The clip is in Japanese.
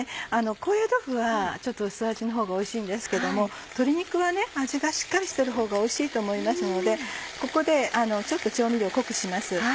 高野豆腐はちょっと薄味のほうがおいしいんですけども鶏肉は味がしっかりしてるほうがおいしいと思いますのでここでちょっと調味料を濃くします。